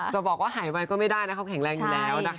จะบอกว่าหายไวก็ไม่ได้นะเขาแข็งแรงอยู่แล้วนะคะ